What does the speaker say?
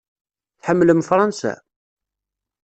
Tḥemmlem Fṛansa?